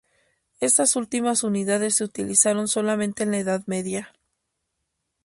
Estas últimas unidades se utilizaron solamente en la Edad Media.